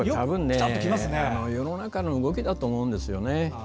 世の中の動きだと思うんですよね。